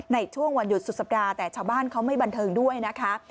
ในช่วงวันหยุดสุดสัปดาห์แต่ชาวบ้านเขาไม่บันเทิงด้วยนะคะ